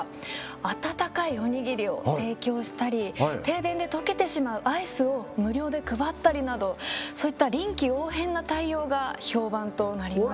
温かいおにぎりを提供したり停電で溶けてしまうアイスを無料で配ったりなどそういった臨機応変な対応が評判となりました。